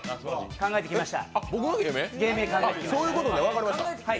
考えてきました。